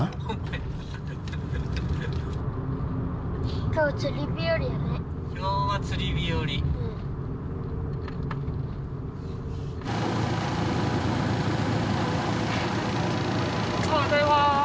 おはようございます！